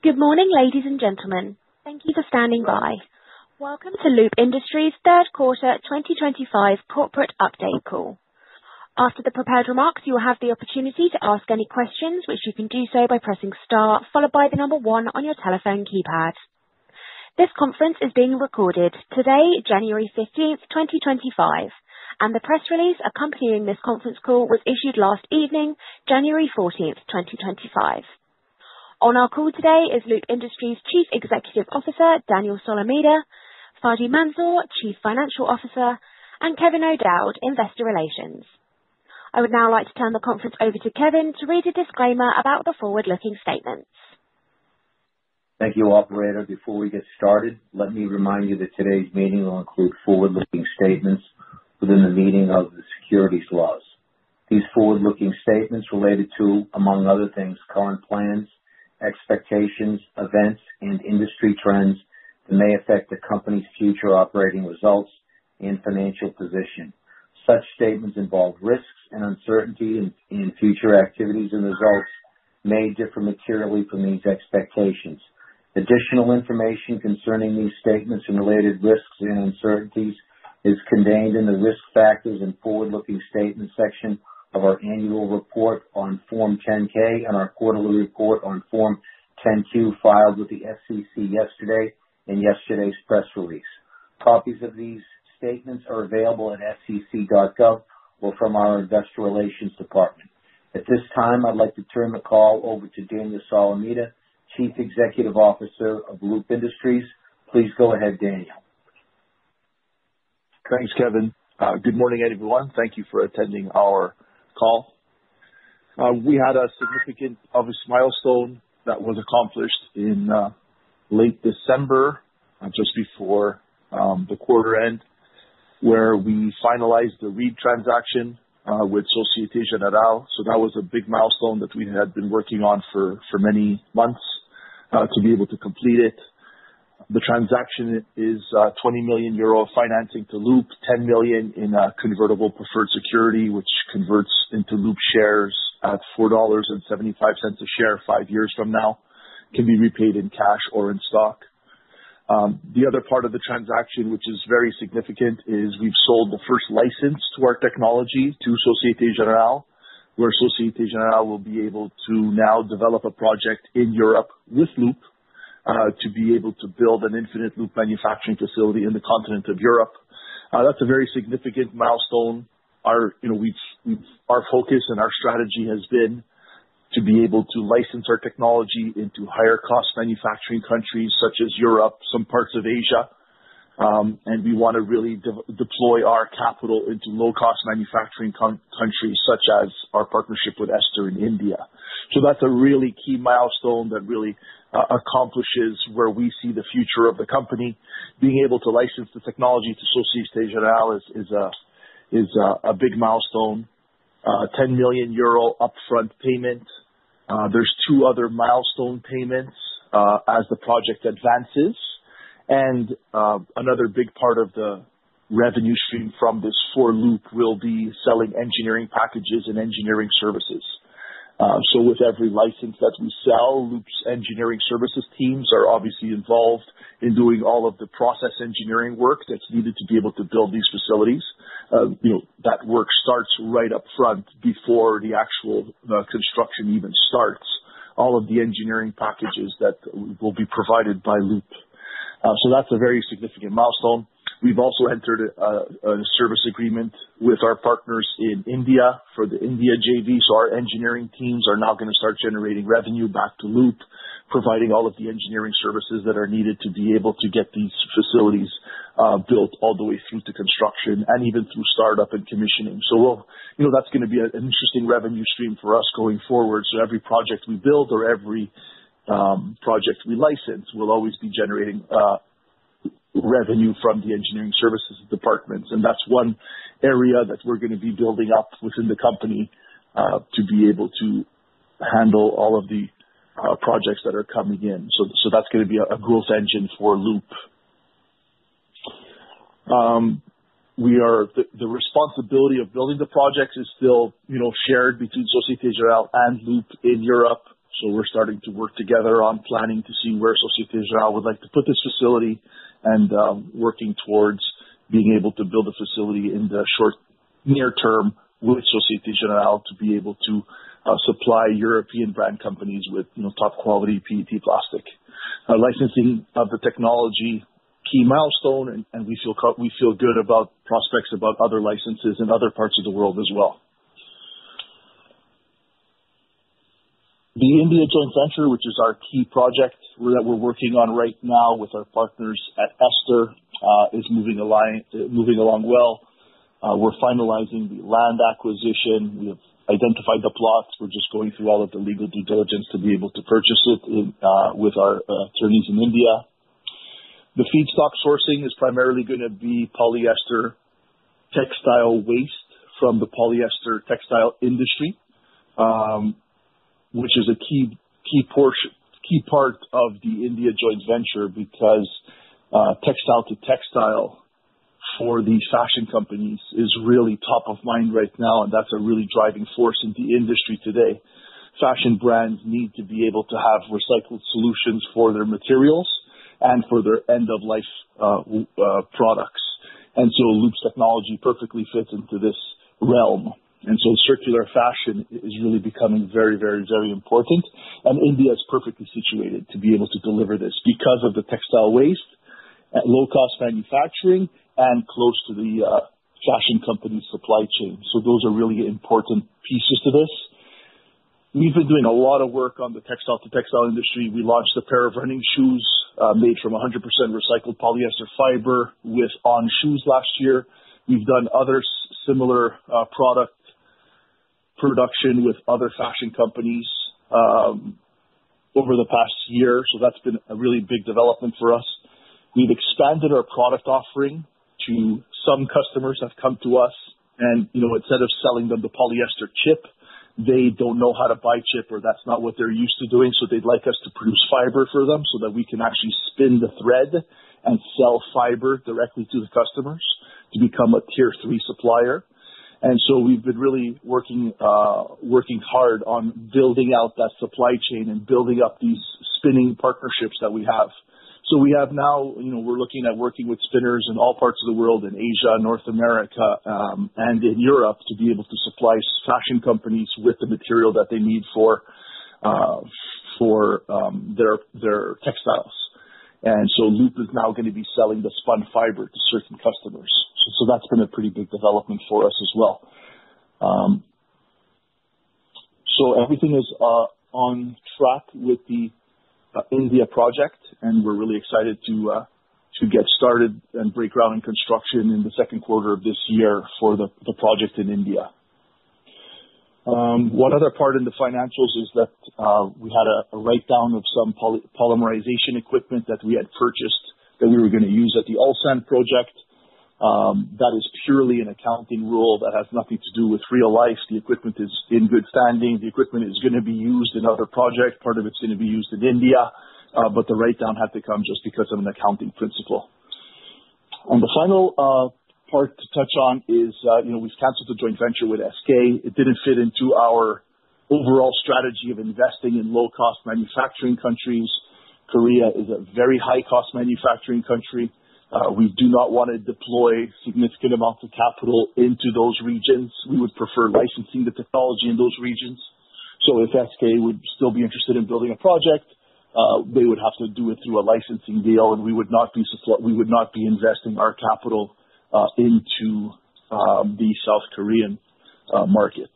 Good morning, ladies and gentlemen. Thank you for standing by. Welcome to Loop Industries' Third Quarter 2025 Corporate Update Call. After the prepared remarks, you will have the opportunity to ask any questions, which you can do so by pressing Star, followed by the number one on your telephone keypad. This conference is being recorded today, January 15th, 2025, and the press release accompanying this conference call was issued last evening, January 14th, 2025. On our call today is Loop Industries' Chief Executive Officer, Daniel Solomita, Fady Mansour, Chief Financial Officer, and Kevin O'Dowd, Investor Relations. I would now like to turn the conference over to Kevin to read a disclaimer about the forward-looking statements. Thank you, Operator. Before we get started, let me remind you that today's meeting will include forward-looking statements within the meaning of the securities laws. These forward-looking statements relate to, among other things, current plans, expectations, events, and industry trends that may affect the company's future operating results and financial position. Such statements involve risks and uncertainty in future activities, and results may differ materially from these expectations. Additional information concerning these statements and related risks and uncertainties is contained in the risk factors and forward-looking statements section of our annual report on Form 10-K and our quarterly report on Form 10-Q filed with the SEC yesterday and yesterday's press release. Copies of these statements are available at sec.gov or from our Investor Relations Department. At this time, I'd like to turn the call over to Daniel Solomita, Chief Executive Officer of Loop Industries. Please go ahead, Daniel. Thanks, Kevin. Good morning, everyone. Thank you for attending our call. We had a significant obvious milestone that was accomplished in late December, just before the quarter end, where we finalized the Reed transaction with Société Générale. So that was a big milestone that we had been working on for many months to be able to complete it. The transaction is 20 million euro financing to Loop, 10 million in convertible preferred security, which converts into Loop shares at $4.75 a share five years from now, can be repaid in cash or in stock. The other part of the transaction, which is very significant, is we've sold the first license to our technology to Société Générale, where Société Générale will be able to now develop a project in Europe with Loop to be able to build an Infinite Loop manufacturing facility in the continent of Europe. That's a very significant milestone. Our focus and our strategy has been to be able to license our technology into higher-cost manufacturing countries such as Europe, some parts of Asia, and we want to really deploy our capital into low-cost manufacturing countries such as our partnership with Ester in India, so that's a really key milestone that really accomplishes where we see the future of the company. Being able to license the technology to Société Générale is a big milestone. 10 million euro upfront payment. There's two other milestone payments as the project advances, and another big part of the revenue stream from this for Loop will be selling engineering packages and engineering services, so with every license that we sell, Loop's engineering services teams are obviously involved in doing all of the process engineering work that's needed to be able to build these facilities. That work starts right upfront before the actual construction even starts, all of the engineering packages that will be provided by Loop. So that's a very significant milestone. We've also entered a service agreement with our partners in India for the India JV. So our engineering teams are now going to start generating revenue back to Loop, providing all of the engineering services that are needed to be able to get these facilities built all the way through to construction and even through startup and commissioning. So that's going to be an interesting revenue stream for us going forward. So every project we build or every project we license will always be generating revenue from the engineering services departments. And that's one area that we're going to be building up within the company to be able to handle all of the projects that are coming in. So that's going to be a growth engine for Loop. The responsibility of building the projects is still shared between Société Générale and Loop in Europe. So we're starting to work together on planning to see where Société Générale would like to put this facility and working towards being able to build a facility in the short near term with Société Générale to be able to supply European brand companies with top-quality PET plastic. Licensing of the technology, key milestone, and we feel good about prospects about other licenses in other parts of the world as well. The India joint venture, which is our key project that we're working on right now with our partners at Ester, is moving along well. We're finalizing the land acquisition. We have identified the plots. We're just going through all of the legal due diligence to be able to purchase it with our attorneys in India. The feedstock sourcing is primarily going to be polyester textile waste from the polyester textile industry, which is a key part of the India joint venture because textile to textile for the fashion companies is really top of mind right now, and that's a really driving force in the industry today. Fashion brands need to be able to have recycled solutions for their materials and for their end-of-life products, and so Loop's technology perfectly fits into this realm, and so circular fashion is really becoming very, very, very important, and India is perfectly situated to be able to deliver this because of the textile waste, low-cost manufacturing, and close to the fashion company supply chain, so those are really important pieces to this. We've been doing a lot of work on the textile to textile industry. We launched a pair of running shoes made from 100% recycled polyester fiber with On shoes last year. We've done other similar product production with other fashion companies over the past year. So that's been a really big development for us. We've expanded our product offering to some customers have come to us, and instead of selling them the polyester chip, they don't know how to buy chip or that's not what they're used to doing. So they'd like us to produce fiber for them so that we can actually spin the thread and sell fiber directly to the customers to become a tier-three supplier. And so we've been really working hard on building out that supply chain and building up these spinning partnerships that we have. We have now, we're looking at working with spinners in all parts of the world, in Asia, North America, and in Europe to be able to supply fashion companies with the material that they need for their textiles. And so Loop is now going to be selling the spun fiber to certain customers. So that's been a pretty big development for us as well. So everything is on track with the India project, and we're really excited to get started and break ground in construction in the second quarter of this year for the project in India. One other part in the financials is that we had a write-down of some polymerization equipment that we had purchased that we were going to use at the Ulsan project. That is purely an accounting rule that has nothing to do with real life. The equipment is in good standing. The equipment is going to be used in other projects. Part of it's going to be used in India, but the write-down had to come just because of an accounting principle, and the final part to touch on is we've canceled the joint venture with SK. It didn't fit into our overall strategy of investing in low-cost manufacturing countries. Korea is a very high-cost manufacturing country. We do not want to deploy significant amounts of capital into those regions. We would prefer licensing the technology in those regions, so if SK would still be interested in building a project, they would have to do it through a licensing deal, and we would not be investing our capital into the South Korean market.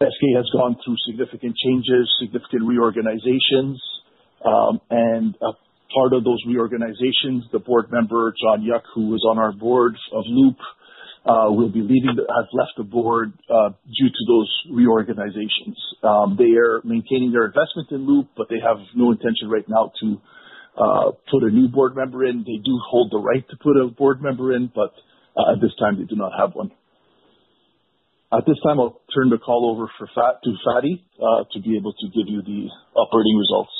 SK has gone through significant changes, significant reorganizations, and part of those reorganizations, the board member, Jonghyuk, who was on our board of Loop, will be leaving, has left the board due to those reorganizations. They are maintaining their investment in Loop, but they have no intention right now to put a new board member in. They do hold the right to put a board member in, but at this time, they do not have one. At this time, I'll turn the call over to Fady to be able to give you the operating results.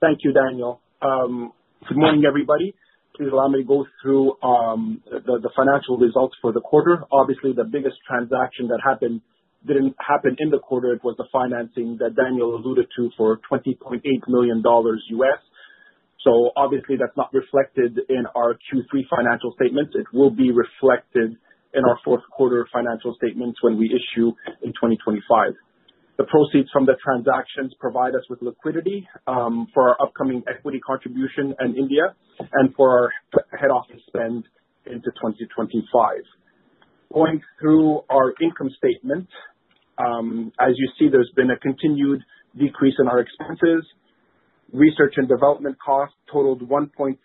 Thank you, Daniel. Good morning, everybody. Please allow me to go through the financial results for the quarter. Obviously, the biggest transaction that happened didn't happen in the quarter. It was the financing that Daniel alluded to for $20.8 million. So obviously, that's not reflected in our Q3 financial statements. It will be reflected in our fourth quarter financial statements when we issue in 2025. The proceeds from the transactions provide us with liquidity for our upcoming equity contribution in India and for our head office spend into 2025. Going through our income statement, as you see, there's been a continued decrease in our expenses. Research and development costs totaled $1.38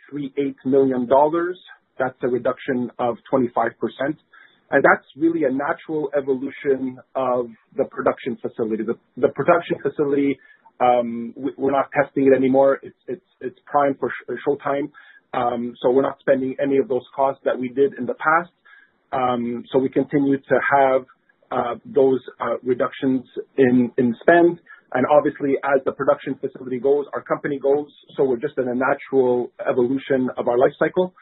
million. That's a reduction of 25%. And that's really a natural evolution of the production facility. The production facility, we're not testing it anymore. It's primed for showtime. So we're not spending any of those costs that we did in the past. So we continue to have those reductions in spend. And obviously, as the production facility goes, our company goes. So we're just in a natural evolution of our life cycle.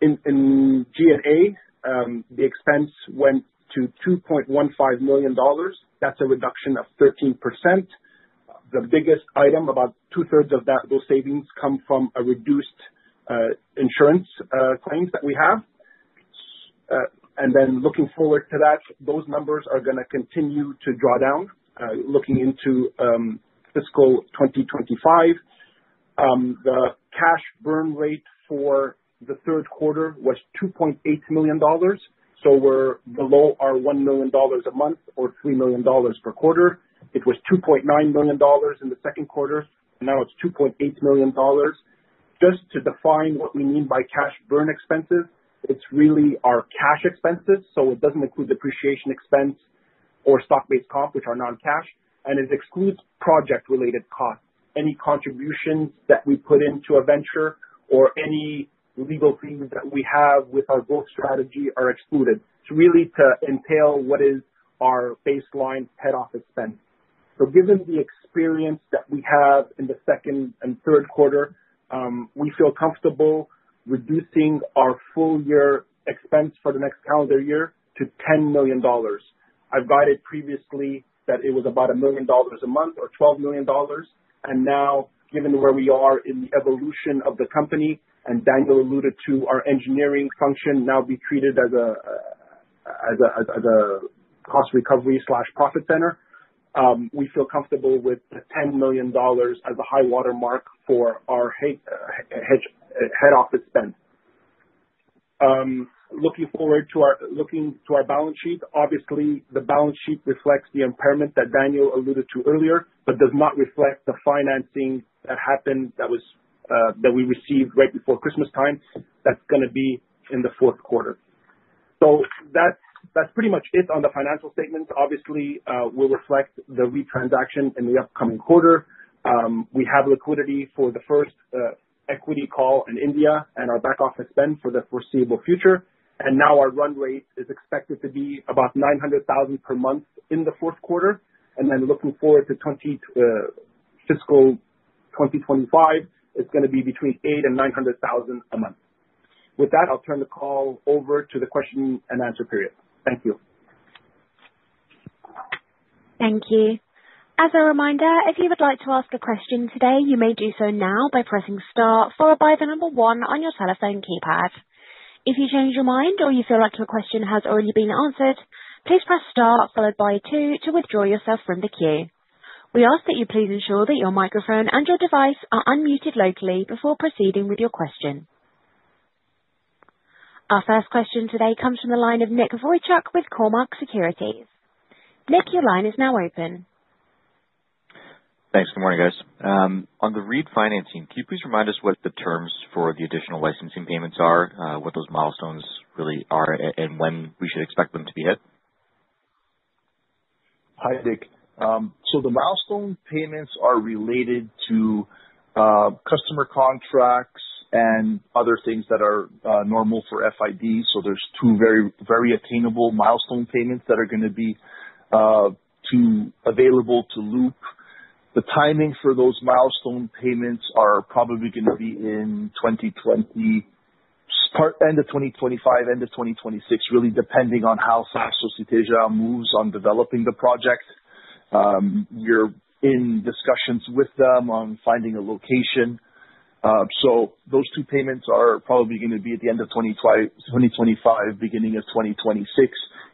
In G&A, the expense went to $2.15 million. That's a reduction of 13%. The biggest item, about two-thirds of those savings come from reduced insurance claims that we have. And then looking forward to that, those numbers are going to continue to draw down looking into fiscal 2025. The cash burn rate for the third quarter was $2.8 million. So we're below our $1 million a month or $3 million per quarter. It was $2.9 million in the second quarter, and now it's $2.8 million. Just to define what we mean by cash burn expenses, it's really our cash expenses. So it doesn't include depreciation expense or stock-based comp, which are non-cash, and it excludes project-related costs. Any contributions that we put into a venture or any legal fees that we have with our growth strategy are excluded. It's really to entail what is our baseline head office spend. So given the experience that we have in the second and third quarter, we feel comfortable reducing our full-year expense for the next calendar year to $10 million. I've guided previously that it was about $1 million a month or $12 million. And now, given where we are in the evolution of the company, and Daniel alluded to our engineering function now be treated as a cost recovery/profit center, we feel comfortable with the $10 million as a high-water mark for our head office spend. Looking forward to our balance sheet, obviously, the balance sheet reflects the impairment that Daniel alluded to earlier, but does not reflect the financing that happened that we received right before Christmas time. That's going to be in the fourth quarter, so that's pretty much it on the financial statements. Obviously, we'll reflect the Reed transaction in the upcoming quarter. We have liquidity for the first equity call in India and our back office spend for the foreseeable future, and now our run rate is expected to be about $900,000 per month in the fourth quarter, and then looking forward to fiscal 2025, it's going to be between $800,000 and $900,000 a month. With that, I'll turn the call over to the question and answer period. Thank you. Thank you. As a reminder, if you would like to ask a question today, you may do so now by pressing star followed by the number one on your telephone keypad. If you change your mind or you feel like your question has already been answered, please press star followed by two to withdraw yourself from the queue. We ask that you please ensure that your microphone and your device are unmuted locally before proceeding with your question. Our first question today comes from the line of Nick Boychuk with Cormark Securities. Nick, your line is now open. Thanks. Good morning, guys. On the recent financing, can you please remind us what the terms for the additional licensing payments are, what those milestones really are, and when we should expect them to be hit? Hi, Nick. So the milestone payments are related to customer contracts and other things that are normal for FID. So there's two very attainable milestone payments that are going to be available to Loop. The timing for those milestone payments are probably going to be in end of 2025, end of 2026, really depending on how fast Société Générale moves on developing the project. We're in discussions with them on finding a location. So those two payments are probably going to be at the end of 2025, beginning of 2026.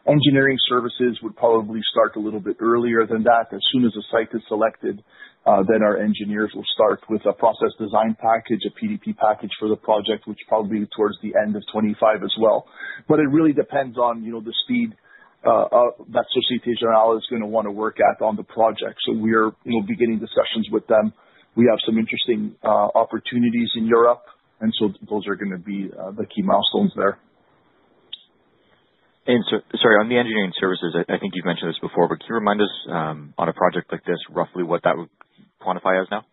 Engineering services would probably start a little bit earlier than that. As soon as a site is selected, then our engineers will start with a process design package, a PDP package for the project, which probably towards the end of 2025 as well. But it really depends on the speed that Société Générale is going to want to work at on the project. So we're beginning discussions with them. We have some interesting opportunities in Europe, and so those are going to be the key milestones there. Sorry, on the engineering services, I think you've mentioned this before, but can you remind us on a project like this, roughly what that would quantify as now?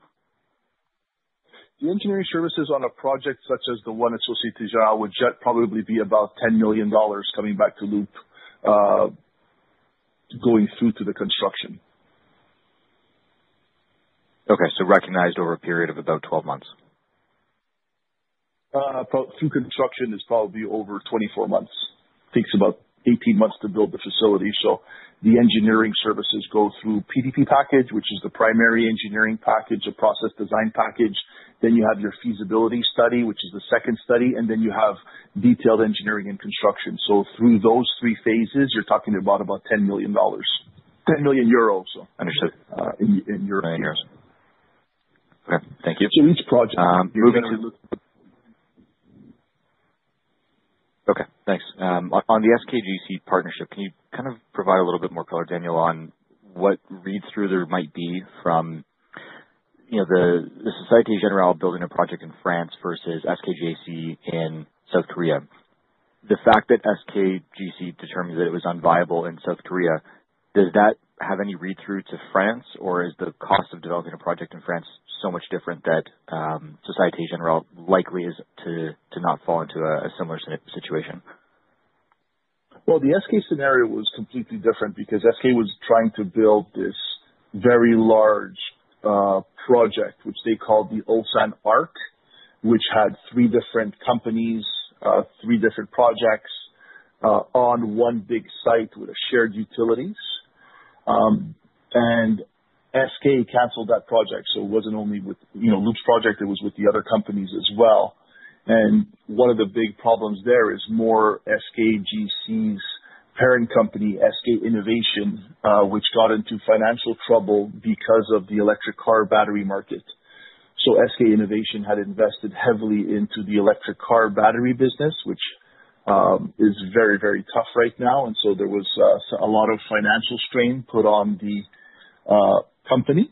The engineering services on a project such as the one at Société Générale would probably be about $10 million coming back to Loop going through to the construction. Okay. So recognized over a period of about 12 months? About the construction is probably over 24 months. Takes about 18 months to build the facility. So the engineering services go through PDP package, which is the primary engineering package, a process design package. Then you have your feasibility study, which is the second study, and then you have detailed engineering and construction. So through those three phases, you're talking about $10 million. 10 million euros, so in European years. Understood. Okay. Thank you. Each project moving to. Okay. Thanks. On the SKGC partnership, can you kind of provide a little bit more color, Daniel, on what read-through there might be from the Société Générale building a project in France versus SKGC in South Korea? The fact that SKGC determined that it was unviable in South Korea, does that have any read-through to France, or is the cost of developing a project in France so much different that Société Générale likely is to not fall into a similar situation? The SK scenario was completely different because SK was trying to build this very large project, which they called the Ulsan Arc, which had three different companies, three different projects on one big site with shared utilities. SK canceled that project. It wasn't only with Loop's project. It was with the other companies as well. One of the big problems there is more SKGC's parent company, SK Innovation, which got into financial trouble because of the electric car battery market. SK Innovation had invested heavily into the electric car battery business, which is very, very tough right now. There was a lot of financial strain put on the company.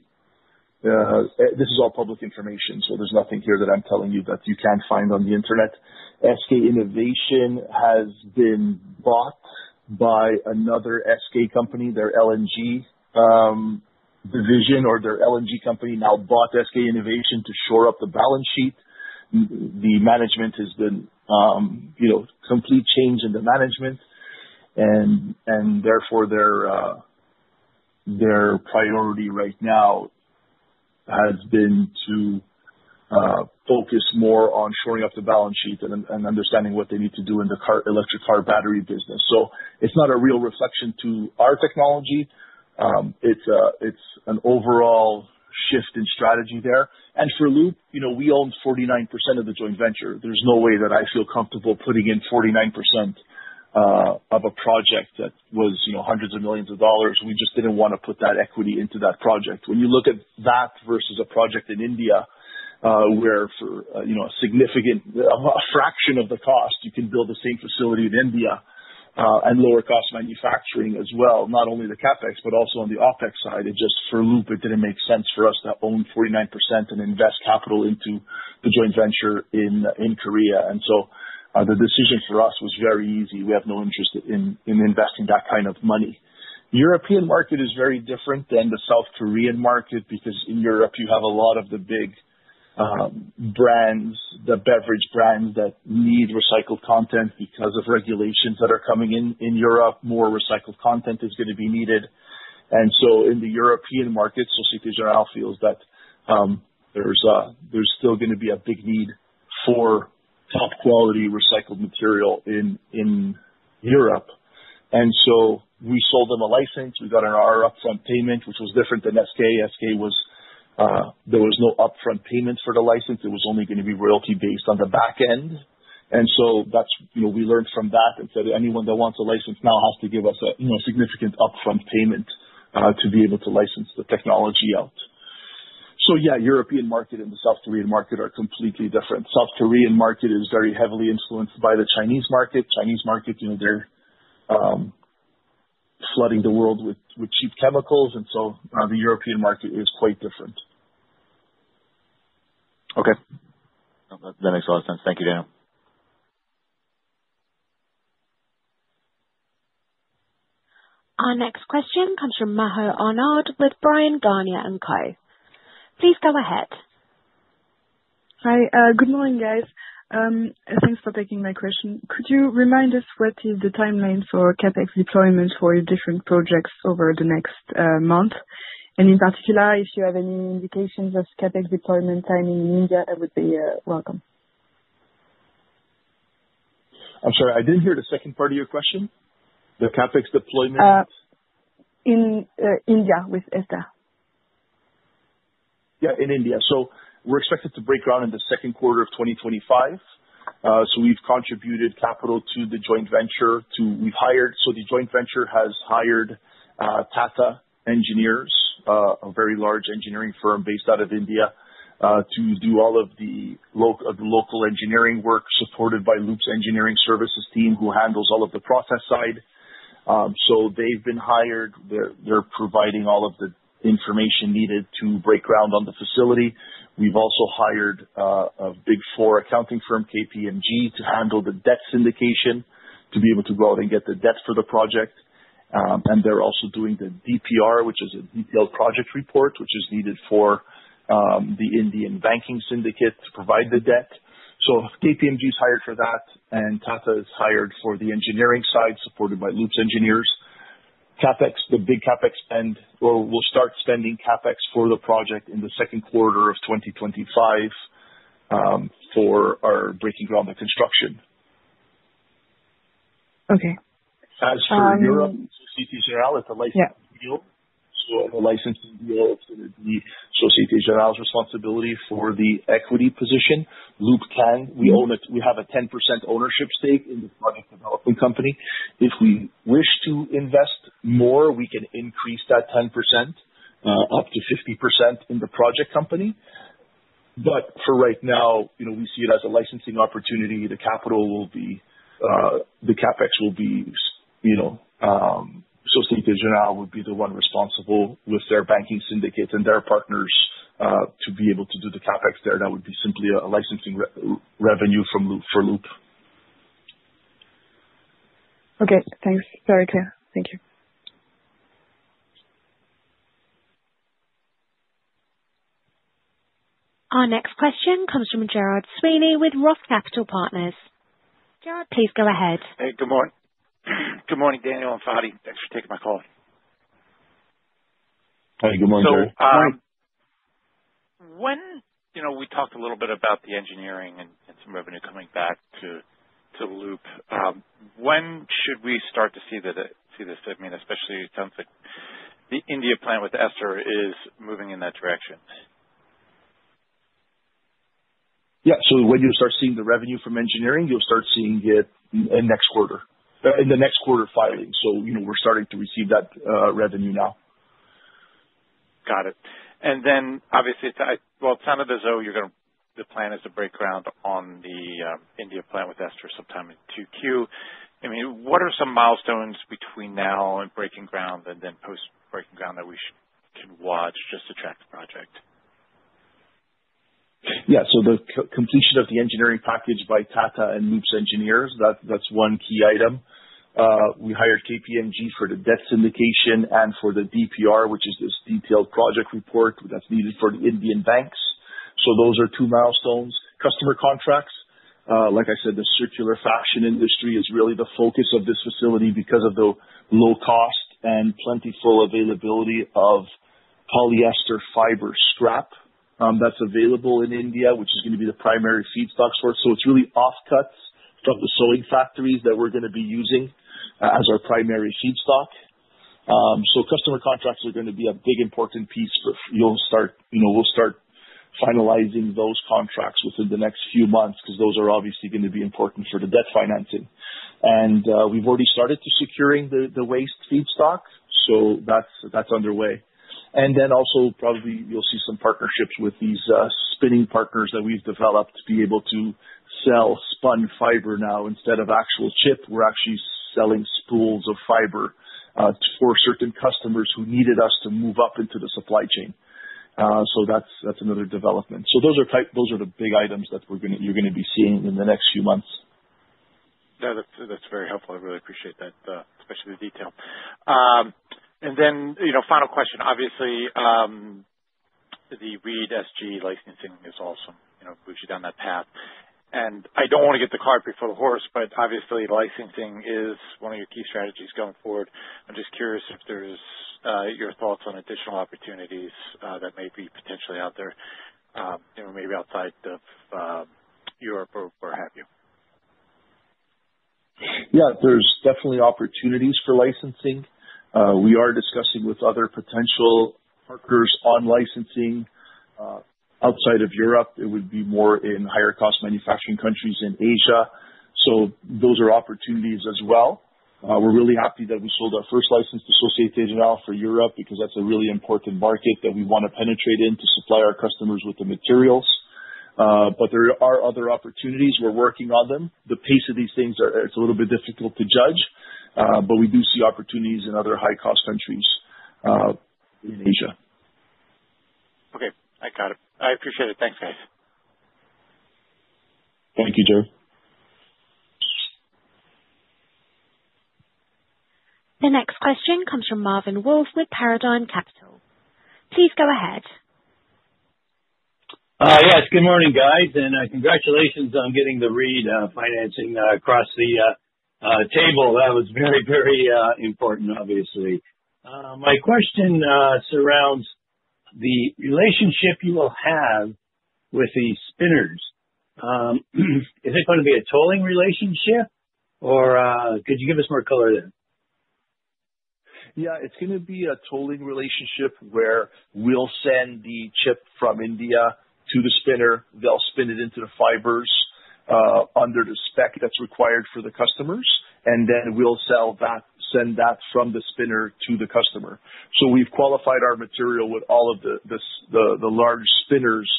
This is all public information, so there's nothing here that I'm telling you that you can't find on the internet. SK Innovation has been bought by another SK company. Their LNG division or their LNG company now bought SK Innovation to shore up the balance sheet. The management has been complete change in the management, and therefore their priority right now has been to focus more on shoring up the balance sheet and understanding what they need to do in the electric car battery business. So it's not a real reflection to our technology. It's an overall shift in strategy there. And for Loop, we own 49% of the joint venture. There's no way that I feel comfortable putting in 49% of a project that was hundreds of millions of dollars. We just didn't want to put that equity into that project. When you look at that versus a project in India where for a significant fraction of the cost, you can build the same facility in India and lower-cost manufacturing as well, not only the CapEx, but also on the OpEx side. It just, for Loop, it didn't make sense for us to own 49% and invest capital into the joint venture in Korea. And so the decision for us was very easy. We have no interest in investing that kind of money. The European market is very different than the South Korean market because in Europe, you have a lot of the big brands, the beverage brands that need recycled content because of regulations that are coming in Europe. More recycled content is going to be needed. And so in the European market, Société Générale feels that there's still going to be a big need for top-quality recycled material in Europe. And so we sold them a license. We got an upfront payment, which was different than SK. SK, there was no upfront payment for the license. It was only going to be royalty-based on the back end. And so we learned from that and said, "Anyone that wants a license now has to give us a significant upfront payment to be able to license the technology out." So yeah, European market and the South Korean market are completely different. The South Korean market is very heavily influenced by the Chinese market. Chinese market, they're flooding the world with cheap chemicals. And so the European market is quite different. Okay. That makes a lot of sense. Thank you, Daniel. Our next question comes from Maher Anand with Bryan, Garnier & Co. Please go ahead. Hi. Good morning, guys. Thanks for taking my question. Could you remind us what is the timeline for CapEx deployment for different projects over the next month? And in particular, if you have any indications of CapEx deployment timing in India, it would be welcome. I'm sorry. I didn't hear the second part of your question. The CapEx deployment? In India with Ester. Yeah, in India, so we're expected to break ground in the second quarter of 2025, so we've contributed capital to the joint venture, so the joint venture has hired Tata Consulting Engineers, a very large engineering firm based out of India, to do all of the local engineering work supported by Loop's engineering services team who handles all of the process side, so they've been hired, they're providing all of the information needed to break ground on the facility, we've also hired a Big Four accounting firm, KPMG, to handle the debt syndication to be able to go out and get the debt for the project, and they're also doing the DPR, which is a detailed project report, which is needed for the Indian banking syndicate to provide the debt, so KPMG is hired for that, and Tata is hired for the engineering side supported by Loop's engineers. CapEx, the big CapEx spend, will start spending CapEx for the project in the second quarter of 2025 for our breaking ground and construction. Okay. As for Europe, Société Générale, it's a licensing deal. So in the licensing deal, it's going to be Société Générale's responsibility for the equity position. Loop can. We have a 10% ownership stake in the project development company. If we wish to invest more, we can increase that 10% up to 50% in the project company. But for right now, we see it as a licensing opportunity. The capital, the CapEx, will be Société Générale would be the one responsible with their banking syndicate and their partners to be able to do the CapEx there. That would be simply a licensing revenue for Loop. Okay. Thanks. Very clear. Thank you. Our next question comes from Gerard Sweeney with Roth Capital Partners. Gerard, please go ahead. Hey, good morning. Good morning, Daniel and Fady. Thanks for taking my call. Hi. Good morning, Gerard. So when we talked a little bit about the engineering and some revenue coming back to Loop, when should we start to see this? I mean, especially it sounds like the India plant with Ester is moving in that direction. Yeah. So when you start seeing the revenue from engineering, you'll start seeing it in next quarter, in the next quarter filing. So we're starting to receive that revenue now. Got it. And then obviously, well, it sounded as though the plan is to break ground on the India plant with Ester sometime in Q2. I mean, what are some milestones between now and breaking ground and then post-breaking ground that we can watch just to track the project? Yeah. So the completion of the engineering package by Tata and Loop's engineers, that's one key item. We hired KPMG for the debt syndication and for the DPR, which is this detailed project report that's needed for the Indian banks. So those are two milestones. Customer contracts. Like I said, the circular fashion industry is really the focus of this facility because of the low cost and plentiful availability of polyester fiber scrap that's available in India, which is going to be the primary feedstock source. So it's really offcuts from the sewing factories that we're going to be using as our primary feedstock. So customer contracts are going to be a big important piece. We'll start finalizing those contracts within the next few months because those are obviously going to be important for the debt financing. And we've already started to secure the waste feedstock. So that's underway. And then also probably you'll see some partnerships with these spinning partners that we've developed to be able to sell spun fiber now instead of actual chip. We're actually selling spools of fiber for certain customers who needed us to move up into the supply chain. So that's another development. So those are the big items that you're going to be seeing in the next few months. Yeah. That's very helpful. I really appreciate that, especially the detail. And then, final question. Obviously, the Société Générale licensing is awesome. We've pushed you down that path. And I don't want to put the cart before the horse, but obviously, licensing is one of your key strategies going forward. I'm just curious if there's your thoughts on additional opportunities that may be potentially out there, maybe outside of Europe, or have you? Yeah. There's definitely opportunities for licensing. We are discussing with other potential partners on licensing outside of Europe. It would be more in higher-cost manufacturing countries in Asia. So those are opportunities as well. We're really happy that we sold our first license to Société Générale for Europe because that's a really important market that we want to penetrate into to supply our customers with the materials. But there are other opportunities. We're working on them. The pace of these things, it's a little bit difficult to judge, but we do see opportunities in other high-cost countries in Asia. Okay. I got it. I appreciate it. Thanks, guys. Thank you, Gerard. The next question comes from Marvin Wolff with Paradigm Capital. Please go ahead. Yes. Good morning, guys, and congratulations on getting the EUR 100 million financing across the table. That was very, very important, obviously. My question surrounds the relationship you will have with the spinners. Is it going to be a tolling relationship, or could you give us more color there? Yeah. It's going to be a tolling relationship where we'll send the chip from India to the spinner. They'll spin it into the fibers under the spec that's required for the customers, and then we'll send that from the spinner to the customer. We've qualified our material with all of the large spinners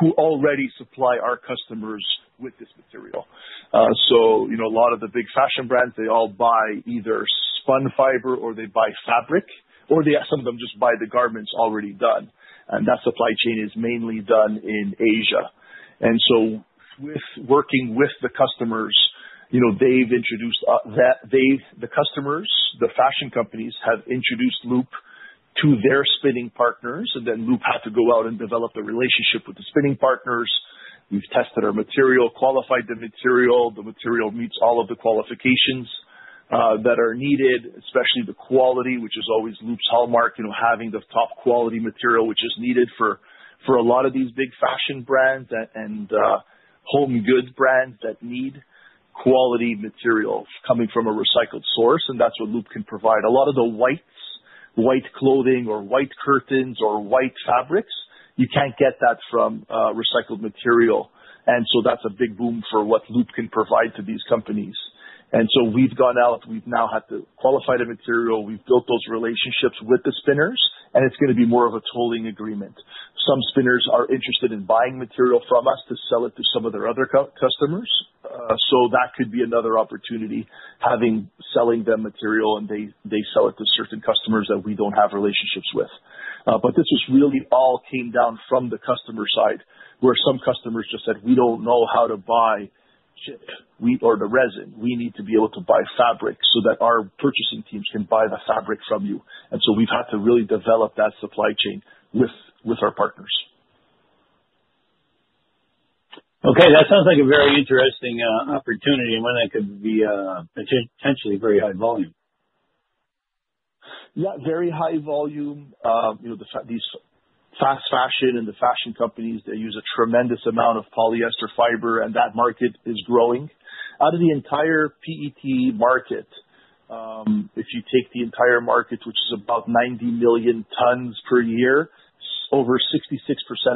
who already supply our customers with this material. A lot of the big fashion brands, they all buy either spun fiber, or they buy fabric, or some of them just buy the garments already done. That supply chain is mainly done in Asia. Working with the customers, they've introduced the customers. The fashion companies have introduced Loop to their spinning partners, and then Loop had to go out and develop the relationship with the spinning partners. We've tested our material, qualified the material. The material meets all of the qualifications that are needed, especially the quality, which is always Loop's hallmark, having the top quality material, which is needed for a lot of these big fashion brands and home goods brands that need quality materials coming from a recycled source. And that's what Loop can provide. A lot of the white clothing or white curtains or white fabrics, you can't get that from recycled material. And so that's a big boom for what Loop can provide to these companies. And so we've gone out. We've now had to qualify the material. We've built those relationships with the spinners, and it's going to be more of a tolling agreement. Some spinners are interested in buying material from us to sell it to some of their other customers. So that could be another opportunity, having to sell them material, and they sell it to certain customers that we don't have relationships with. But it really all came down from the customer side where some customers just said, "We don't know how to buy chip or the resin. We need to be able to buy fabric so that our purchasing teams can buy the fabric from you." And so we've had to really develop that supply chain with our partners. Okay. That sounds like a very interesting opportunity when it could be potentially very high volume. Yeah. Very high volume. These fast fashion and the fashion companies, they use a tremendous amount of polyester fiber, and that market is growing. Out of the entire PET market, if you take the entire market, which is about 90 million tons per year, over 66%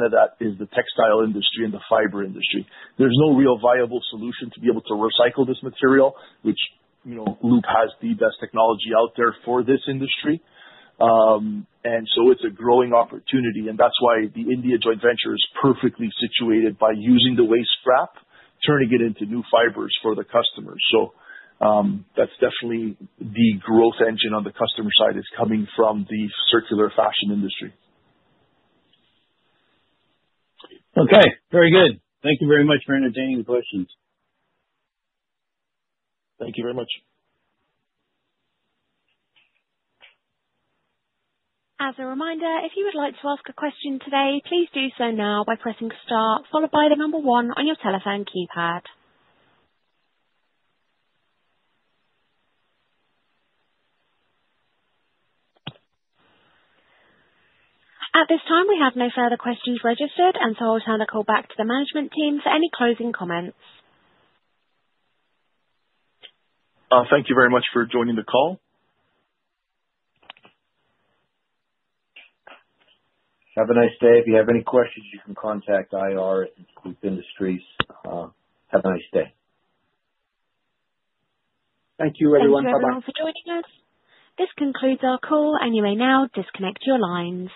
of that is the textile industry and the fiber industry. There's no real viable solution to be able to recycle this material, which Loop has the best technology out there for this industry. And so it's a growing opportunity. And that's why the India joint venture is perfectly situated by using the waste scrap, turning it into new fibers for the customers. So that's definitely the growth engine on the customer side is coming from the circular fashion industry. Okay. Very good. Thank you very much for entertaining the questions. Thank you very much. As a reminder, if you would like to ask a question today, please do so now by pressing Star, followed by the number one on your telephone keypad. At this time, we have no further questions registered, and so I'll turn the call back to the management team for any closing comments. Thank you very much for joining the call. Have a nice day. If you have any questions, you can contact IR at Loop Industries. Have a nice day. Thank you, everyone. Bye-bye. Thank you everyone for joining us. This concludes our call, and you may now disconnect your lines.